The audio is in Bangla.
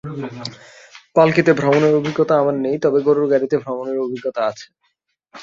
পালকিতে ভ্রমণের অভিজ্ঞতা আমার নেই তবে গরুর গাড়িতে ভ্রমণের অভিজ্ঞতা আছে।